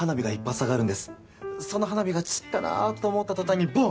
その花火が散ったなと思った途端にボン！